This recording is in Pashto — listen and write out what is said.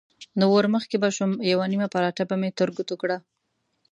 نو ورمخکې به شوم، یوه نیمه پراټه به مې تر ګوتو کړه.